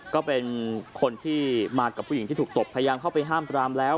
ก็เป็นคนที่มากับผู้หญิงที่ถูกตบพยายามเข้าไปห้ามปรามแล้ว